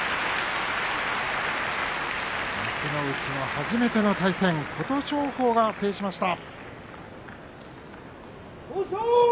初めての対戦は琴勝峰が制しました。